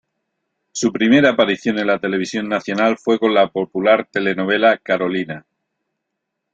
Su primera aparición en la televisión nacional fue con la popular telenovela "Carolina".